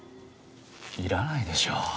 いらないでしょ？